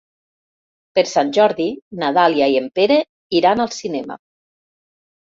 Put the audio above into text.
Per Sant Jordi na Dàlia i en Pere iran al cinema.